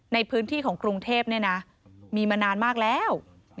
ในพื้นที่ของกรุงเทพเนี่ยนะมีมานานมากแล้ว